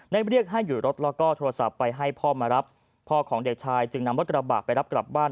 เรียกให้หยุดรถแล้วก็โทรศัพท์ไปให้พ่อมารับพ่อของเด็กชายจึงนำรถกระบะไปรับกลับบ้าน